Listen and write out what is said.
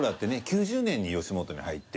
９０年に吉本に入って。